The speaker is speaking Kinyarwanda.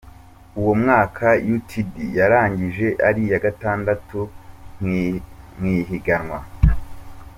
Uwo mwaka Utd yarangije ari iya gatandatu mw'ihiganwa.